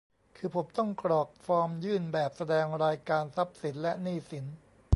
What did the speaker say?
คือผมต้องกรอกฟอร์มยื่นแบบแสดงรายการทรัพย์สินและหนี้สิน